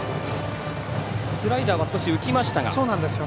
スライダーは少し浮きましたが。